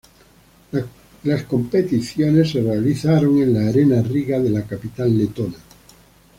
Las competiciones se realizaron en la Arena Riga de la capital letona.